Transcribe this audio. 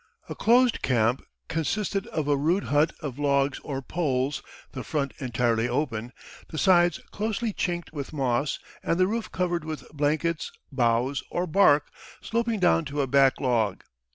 A closed camp consisted of a rude hut of logs or poles, the front entirely open, the sides closely chinked with moss, and the roof covered with blankets, boughs, or bark, sloping down to a back log.